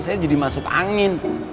saya jadi masuk angin